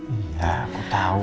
iya aku tau